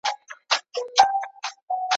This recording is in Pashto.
هم یې ماښام هم یې سهار ښکلی دی